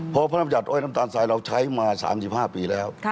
เพราะพระรำจัดอ้อยน้ำตาลทรายเราใช้มา๓๕ปีแล้ว